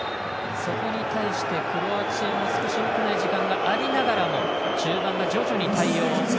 そこに対してクロアチアも少しよくない時間がありながらも中盤が徐々に対応。